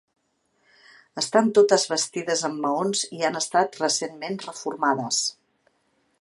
Estan totes bastides amb maons i han estat recentment reformades.